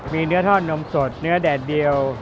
มีเนื้อทอดนมสดเนื้อแดดเดียว